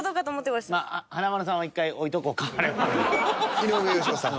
井上芳雄さん。